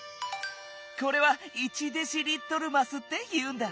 これは「１デシリットルます」っていうんだ。